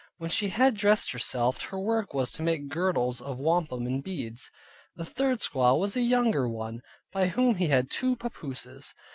When she had dressed herself, her work was to make girdles of wampum and beads. The third squaw was a younger one, by whom he had two papooses.